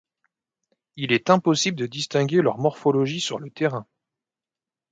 Il est impossible de distinguer leur morphologie sur le terrain.